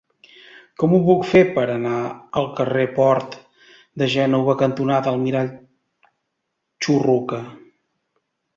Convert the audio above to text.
Com ho puc fer per anar al carrer Port de Gènova cantonada Almirall Churruca?